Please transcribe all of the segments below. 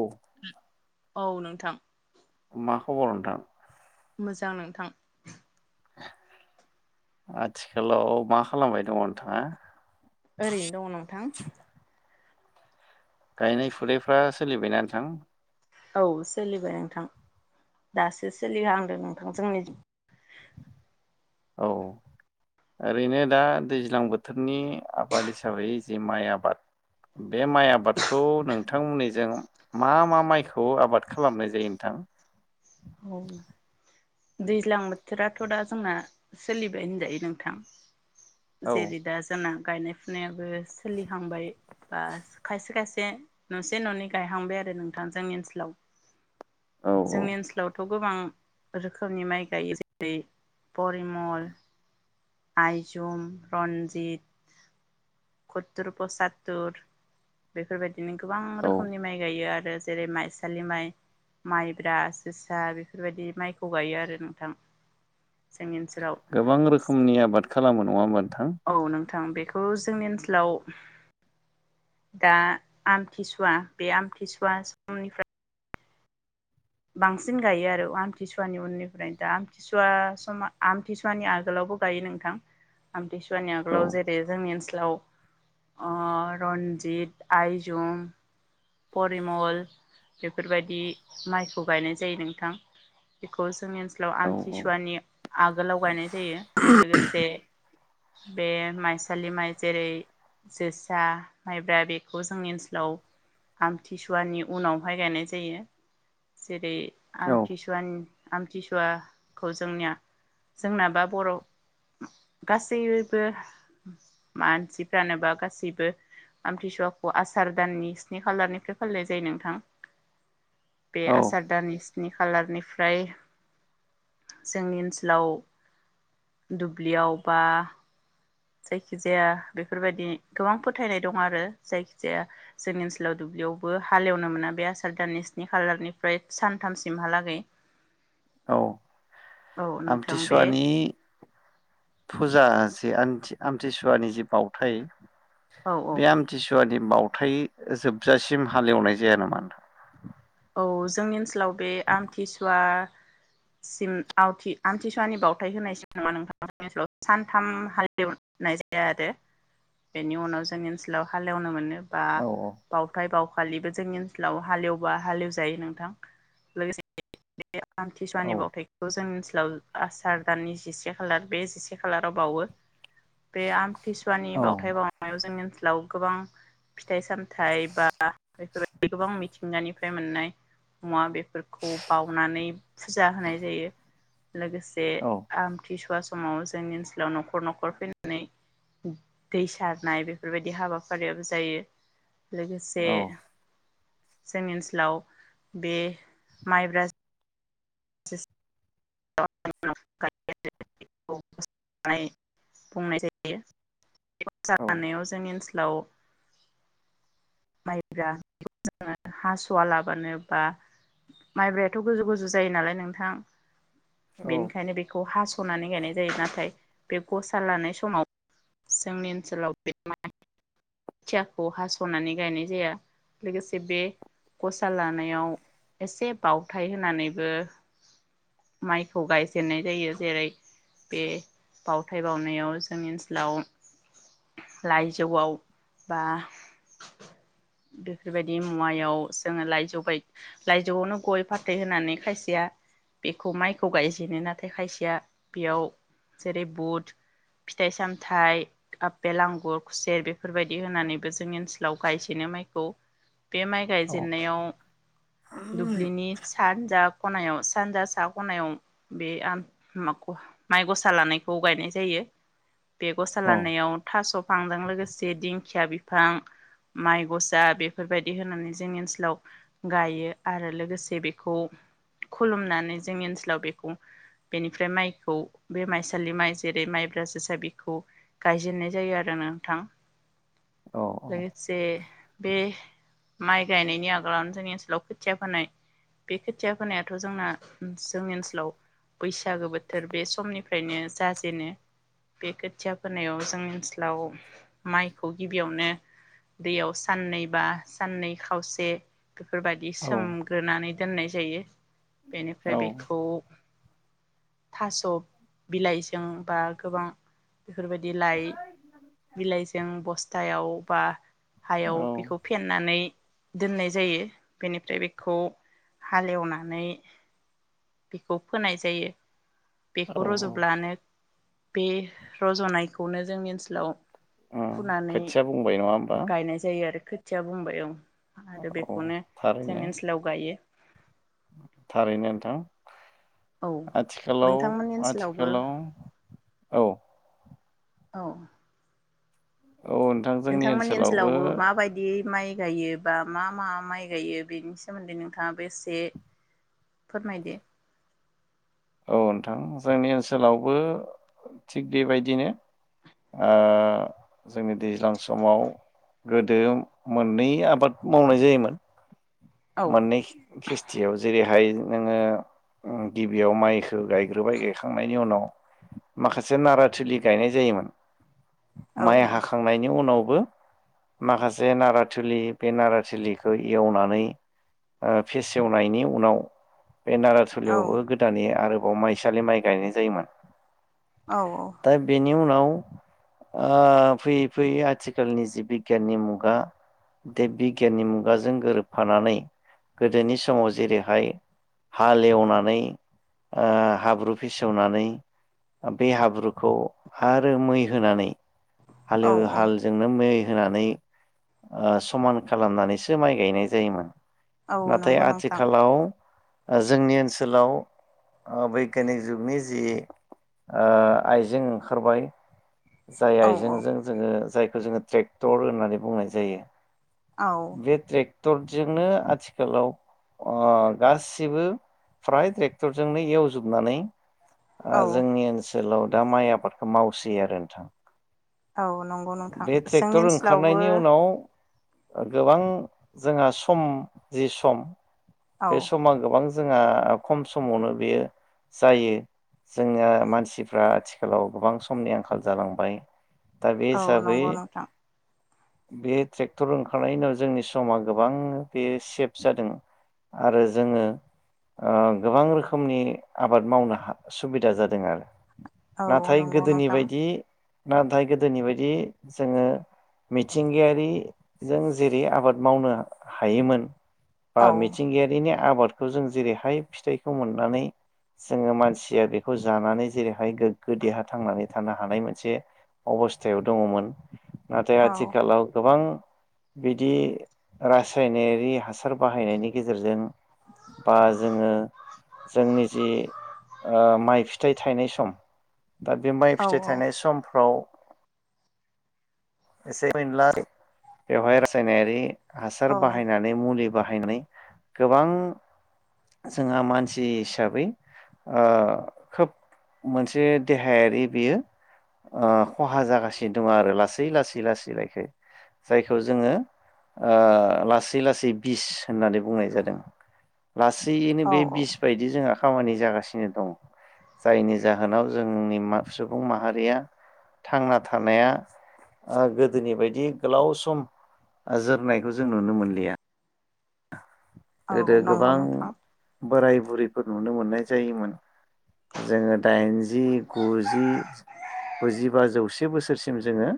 औ [inaudible] औ नोंथां मा खबर नोंथां? मोजां नोंथां। आथिखालाव मा खालामबाय दङ नोंथाङा? ओरैनो दङ नोंथां। गायनाय फुनायफ्रा सोलिबाय ना नोंथां? औ सोलिबाय नोंथां दासो सोलिहांदों नोंथां जोंनिथिं। औ ओरैनो दा दैज्लां बोथोरनि आबाद हिसाबै जे माइ आबाद बे माइ आबादखौ नोंथांमोननिजों मा मा माइखौ आबाद खालामनाय जायो नोंथां? दैज्लां बोथोराथ' दा जोंना सोलिबाय होनजायो नोंथां। औ जेरै दा जाना गायनाय फुनायाव बो सोलिहांबाय बा खायसे खायसे दे न'से न'नै गायहांबाय आरो नोंथां जोंनि ओनसोलाव। औ औ थ' गोबां रोखोमनि माइ गायो जेरै परिमल आइजुम, रन्जित, कत्तुर पसात्तुर, बेफोरबायदि बिदिनो गोबां औ रोखोमनि माइ गायो आरो दा जेरै माइसालि माइ माइब्रा जोसा बेफोरबायदि माइखौ गायो आरो नोंथां। जोंनि ओनसोलाव गोबां रोखोमनि आबाद खालामो नङा होनोमबा नों औ नों थां बेखौ जोंनि ओनसोलाव दा आमथिसुवा बे आमथिसुवा समनिफ्राय बांसिन गायो आरो आमथिसुवानि उननिफ्रायनो दा आमथिसुवा समा आमथिसुवानि आगोलावबो गायो नोंथां आमथिसुवा नि औ आगोलाव जोंनि ओ ओनस लाव ओ रन्जित आइजं परिमल बेफोरबायदि माइखौ गायनाय जायो नोंथां बेखौ जोंनि ओनसोलाव औ औ आमथिसुवानि आगोलाव गायनाय जायो लोगोसे बे माइसालि माइ जेरै जोसा माइब्रा बेखौ जोंनि ओनसोलाव आमथिसुवानि उनावहाय गायनाय जायो जेरै औ आम किसवान आमथिसुवाखौ जोंनिया जोंनाबा बर' गासैबो मानसिफ्रानो बा गासैबो आमथिसुवाखौ आसार दाननि स्नि खालारनिफ्राय फालिनाय जायो नोंथां। बे औ आसार दाननि स्न नि खालारनिफ्राय जोंनि ओनसोलाव दुब्लियाव बा जायखिजाया बेफोरबायदि गोबां फोथायनाय दं। आरो जायखिजाया जोंनि ओनसोलाव दुब्लियावबो हालेवनो मोना बे आसार दाननि स्नि खालारनिफ्राय सानथामसिमहालागै। औ औ नोंथां बे आमथिसुवानि फुजा जे आमथि आमथिसुवानि जे बावउथाय औ औ बे आमथिसुवानि बावथाय जोबजासिम हालेवनाय जाया नामा नोंथां? औ जोंनि ओनसोलाव बे आमथिसुवा सिम आवथि आमथिसुवानि बावथाय होनायसिम नामा नोंथां ओनसोलाव सानथाम हालेवनाय जाया आरो बेनि उनाव जोंनि ओनसोलाव हालेवनो मोनो। बा औ बावथाय बाव अखालिबो जोंनि ओनसोलाव हालेवबा हालेवजायो नोंथां लोगोसे बे औ आमथिसुवानि बावथायखौ जों [unintelligible] आसार दाननि जि से खालार बे जि से खालाराव बावो। बे आमथिसुवानि औ बावथाय बावनायाव जों लाव गोबां फिथाइ सामथाइ बा बेफोर बायदि गोबां मिथिंगानि फ्राय मोननाय मुवा बेफोरखौ बाउनानै फुजा होनाय जायो। लोगोसे औ आमथि सुवा समाव जोंनि ओनसोलाव न'खर न'खर फैनानै दै सारनाय बेफोर बायदि हाबाफारियाबो जायो। लोगोसे औ जोंनि ओनसो लाव बे माइब्रा जो [unintelligible] बुंनाय जायो। बे [unintelligible] औ जानायाव जोंनि ओनसोल लाव माइब्रा जोङो हासुवा लाबानो बा माइब्रायाथ' गोजौ गोजौ जायो नालाय नोंथां। बेनिखायनो बेखौ हासनानै गायनाय जायो नाथाय बे गसा लानाय समाव जोंनि ओनसोलाव बे माइ खोथियाखौ हासनानै गायनाय जाया लोगोसे बे गसा लानायाव एसे बाउथाय होनानैबो माइखौ गायजेननाय जायो जेरै बे बाउथाय बाउनायाव जोंनि ओनसोलाव लाइजौआव बा बेफोर बायदि मुवायाव जोङो लाइजौ बाय लाइजौआवनो गय फाथै होनानै खायसेया बेखौ माइखौ गायजेनो नाथाय खायसेया बेयाव जेरै बुद फिथाइ सामथाइ आपेल आंगुर खुसेर बेफोर बायदि होनानैबो जोंनि ओनसोल लाव गायजेनो माइखौ। बे माइ औ गायजेन्नायाव दुब्लिनि सानजाब खनायाव सानजा सा खनायाव बे आम मा माइ गसा लानायखौ गायनाय जायो। बे गसा औ लानायाव थास' बिफांजों लोगोसे दिंखिया बिफां माइ गसा बेफोर बायदि होनानै जोंनि ओनसोलाव गायो आरो लोगोसे बेखौ खुलुमनानै जोंनि ओनसोलाव बेखौ बेनिफ्राय माइखौ बे माइसालि माइ जेरै माइब्रा जोसा बेखौ गायजेननाय जायो आरो नोंथां। औ औ लोगोसे बे माइ गायनायनि आगोलावनो जोंनि ओनसोलाव खोथिया फोनाय बे खोथिया फोनायाथ जोंना जोंनि ओनसोलाव बैसागो बोथोर बे समनिफ्रायनो जाजेनो बे खोथिया फोनायाव जोंनि ओनसोलाव माइखौ गिबियावनो दैयाव साननै बा साननै खावसे बेफोर बायदि सोमग्रोनानै दोननाय जायो। बेनिफ्राय बेखौ औ थास' बिलाइजों बा गोबां बेफोर बायदि लाइ बिलाइजों बस्थायाव बा हायाव औ बेखौ फेननानै दोननाय जायो बेनिफ्राय बेखौ हालेवनानै बेखौ फोनाय जायो। बेखौ औ रजब्लानो बे रजनायखौनो जोंनि ओनसोलाव औ फुनानै खोथिया बुंबाय नङा होमबा गायनाय जायो आरो खोथ थिया बुंबाय औ। आरो औ बेखौनो जों थारैनो ओनसोलाव गायो। थारैनो नोंथां। औ आथिखालाव नोंथांमोननि ओनसोलावबो आथिखालाव औ औ औ नोंथां जोंनि नोंथांमोननि ओनसोलावबो माबायदि माइ गायो बा मा मा माइ गायो बेनि सोमोन्दै नोंथाङाबो एसे फोरमायदो। औ नोंथां जोंनि ओनसोलावबो थिग बेबायदिनो ओ जोंनि दैज्लां समाव गोदो मोननै आबाद मावनाय जायोमोन। औ मोननै खिस्थियाव जेरैहाय नोङो ओ गिबि बेयाव माइखौ गायग्रोबाय गायखांनायनि उनाव माखासे नाराथिलि गायनाय जायोमोन। औ माइ हाखांनायनि उनाव बो माखासे नाराथिलि बे नाराथलिखौ एवनानै ओ फेसेवनायनि उनाव बे औ नाराथोलिआवबो गोद ए आरोबाव माइसालि माइ गायनाय जायोमोन। औ दा बेनि उनाव ओ फैयै फैयै आथिखालनि जि बिगियाननि मुगा बे बिगियाननि मुगाजों गोरोबफानानै गोदोनि समाव जेरैहाय हालेवनानै ओ हाब्रु फिसेवनानै बे हाब्रुखौ हारो मै होनानै औ हालेव औ हालजोंनो मै होनानै ओ समान खालामनानैसो माइ गायनाय जायोमोन। औ नाथाय नंगौ नोंथां आथिखालाव ओ जोंनि ओनसोलाव ओ बैग्यानिक जुगनि जि ओ आइजें ओंखारबाय जाय औ औ आइजेंजों जोजोंङो जाय खौ जोंङो ट्रेक्टर होननानै बुंनाय जायो। औ बे ट्रेक क्टरजोंनो आथिखालाव अ गासिबो फ्राय ट्रेक्ट टरजोंनो एवजोबनानै ओ औ जोंनि ओनसोलाव दा माइ आबादखौ मावसै आरो नोंथां। औ नंगौ नोंथां बे जोंनि ओनसोलावबो ओ गोबां जोंहा सम जि सम औ बे समा गोबां जोंहा खम समावनो बेयो जायो जोंना मानसिफ्रा आथिखालाव गोबां समनि आंखाल जालांबाय दा औ हिसाबै नंगौ नोंथां बे ट्रेक्टर ओंखारनायनि उनाव जोंनि समा गोबां बे सेफ जादों। आरो जोंङो ओ गोबां रोखोमनि आबाद मावनो हा सुबिदा जादों आरो। औ नाथाय नंगौ गोदोनि नोंथां बायदि नाथाय गोदोनि बायदि जोंङो मिथिंगायारिजों जेरै आबाद मावनो हायोमोन औ गियारिनि आबादखौ जों जेरै हाय फिथाइखौ मोननानै जोंङो मानसिया बेखौ जानानै जेरै हाय गोग्गो देहा थांनानै थानो हानाय मोनसे अबस्थायाव दंङमोन। नाथाय आथिखालाव गोबां बिदि रासायनारि हासार बाहायनायनि गेजेरजों बा जोंङो जोंनि जि ओ माइ फिथाइ थायनाय सम दा बे माइ औ फिथाइ थायनाय समफ्राव एसे एनला बेहाय रासायनारि औ हासार बाहायनानै मुलि बाहायनै गोबां जोंहा मानसि हिसाबै ओ खोब मोनसे देहायारि बेयो ओ खहा जागासिनो दंङ आरो लासै लासै लासै लाखै जायखौ जोंङो ओ लासै लासै बिस होननानै बुंनाय जादों। लासैनो औ बे बिस बायदि जोंहा खामानि जागासिनो दं जायनि जाहोनाव जोंनि मान सुबुं माहारिया थांना थानाया ओ गोदोनि बायदि गोलाव सम जोरनायखौ जों नुनो मोनलिया। [unintelligible] औ गोदो नंगौ गोबां नोंथां बोराय बुरै फोर नुनो मोननाय जायोमोन। जोङो दाइनजि गुजि गुजिबा जौसे बोसोरसिम जोङो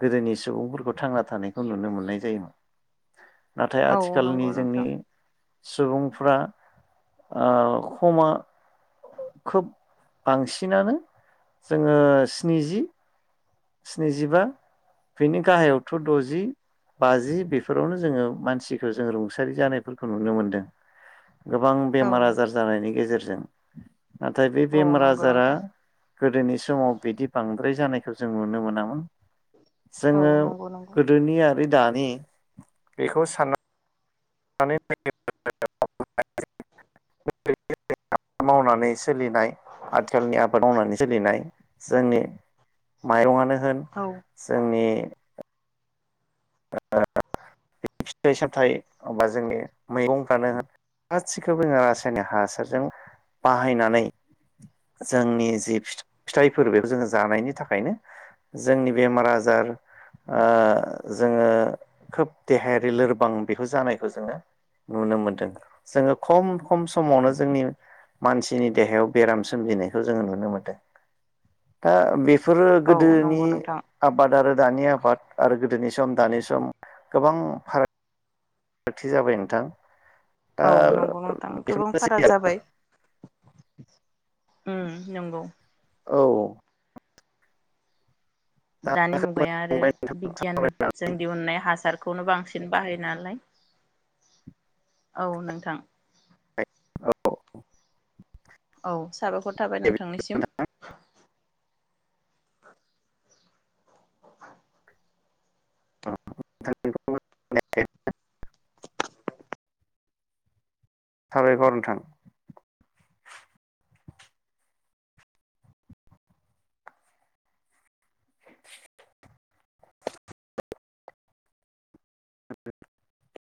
गोदोनि सुबुंफोरखौ थांना थानायखौ नुनो मोननाय जायोमोन। नाथाय औ आथि नंगौ खालनि जोंनि नोंथां सुबुंफ्रा ओ खमा खोब बांसिनानो जोङो स्निजि। स्निजिबा बेनि गाहायावथ' द'जि बाजि बेफोरावनो जोङो मानसिखौ जों रुंसारि जानायफोरखौ नुनो मोनदों। गोबां औ बेमार आजार जानायनि गेजेरजों जों। नाथाय बे औ बेमार नंगौ आजारा नोंथां गोदोनि समाव बिदि बांद्राय जानायखौ जों नुनो मोनामोन। औ जोङो नंगौ नंगौ गोदोनि आरो दानि बेखौ साना [unintelligible] मावनानै सोलिनाय आथिखालनि आबाद मावनानै सोलिनाय जोंनि माइरंआनो होन औ जोंनि [unintelligible] फिथाइय सामथाइ बा जोंनि मैगंफ्रानो होन गासिखौबो जोङो रासायनिक हासारजों बाहायनानै जोंनि जि फिथाइफोर बेखौ जोङो जानायनि थाखायनो जोंनि बेमार आजार ओ जोङो खोब देहायारि लोरबां बेखौ जानायखौ जोङो नुनो मोनदों। जोङो खम खम समावनो जोंनि मानसिनि देहायाव बेराम सोमजिनायखौ जोङो नुनो मोनदों दा बे फोरो औ गोदोनि नंगौ नोंथां आबाद आरो दानि आबाद आरो गोदोनि सम दानि सम गोबां फाराग गथि जाबाय नोंथां। दा औ नंगौ नोंथां गोबां बेफोरनोसै फाराग आरो जाबाय। उम नंगौ। औ। दा दानि मुगाया आरो बिगियानजों दिहुननाय हासारखौनो बांसिन बाहायो नालाय। औ नोंथां। औ। साबायखर थाबाय नोंथांनिसिम। [unintelligible] साबायखर नोंथां। [unintelligible]